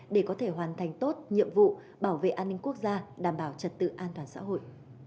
để có thể hoàn thành tốt nhiệm vụ bảo vệ an ninh quốc gia đảm bảo trật tự an toàn xã hội